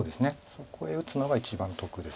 そこへ打つのが一番得です。